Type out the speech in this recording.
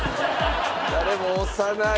誰も押さない。